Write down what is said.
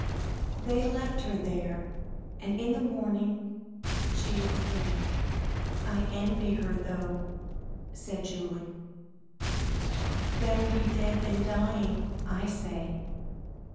They left her there, and in the morning she was dead. "I envy her, though," said Julie. "Better be dead than dying, I say."